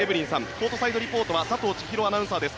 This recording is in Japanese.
コートサイドリポートは佐藤ちひろアナウンサーです。